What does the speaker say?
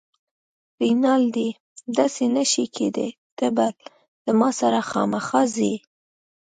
رینالډي: داسې نه شي کیدای، ته به له ما سره خامخا ځې.